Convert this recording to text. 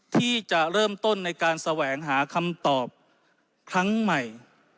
ที่จะเริ่มต้นในการแสวงหาคำตอบครั้งใหม่